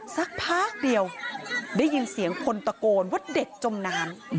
สักพักเดียวได้ยินเสียงคนตะโกนว่าเด็กจมน้ำ